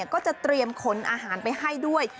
ก็จะเตรียมขนอาหารไปให้ด้วย